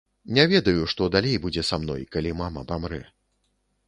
Не ведаю, што далей будзе са мной, калі мама памрэ.